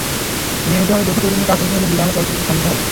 নিয়মিতভাবে যৌথ প্রযোজনার কাজ চলতে থাকলে দুই বাংলার চলচ্চিত্র সমৃদ্ধ হবে।